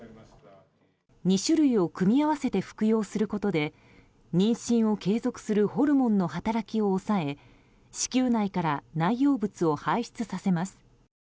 ２種類を組み合わせて服用することで妊娠を継続するホルモンの働きを抑え子宮内から内容物を排出させます。